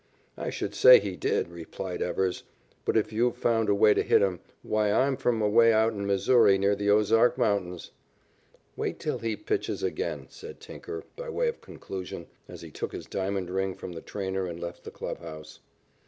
"I should say he did," replied Evers. "But if you've found a way to hit him, why, I'm from away out in Missouri near the Ozark Mountains." "Wait till he pitches again," said Tinker by way of conclusion, as he took his diamond ring from the trainer and left the clubhouse.